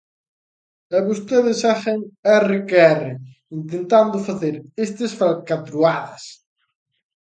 E vostedes seguen erre que erre, intentando facer estas falcatruadas.